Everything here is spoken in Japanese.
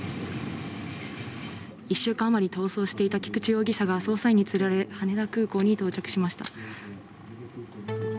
１週間余り逃走していた菊池容疑者が、捜査員に連れられ、羽田空港に到着しました。